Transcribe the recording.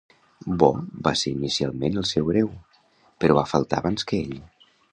Bo va ser inicialment el seu hereu, però va faltar abans que ell.